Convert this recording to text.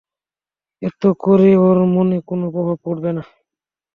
এতে করে ওর মনে কোনো প্রভাব পড়বে না।